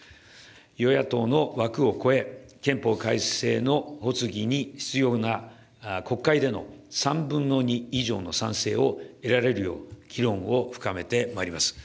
与野党の枠を超え、憲法改正の発議に必要な国会での３分の２以上の賛成を得られるよう、議論を深めてまいります。